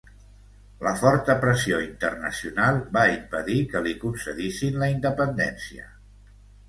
La forta pressió internacional va impedir que li concedissin la independència.